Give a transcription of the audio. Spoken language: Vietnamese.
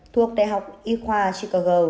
thuộc đại học y khoa chicago